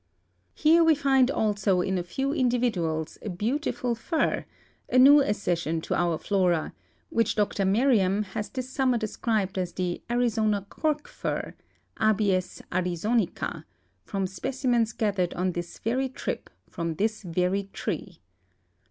Here we find also in a few individuals a beautiful fir, a hew accession to our flora, w^hich Dr Merriam has this sum mer described as the Arizona cork fir (Abies arizonicd) from speci mens gathered on this very trip from this very tree.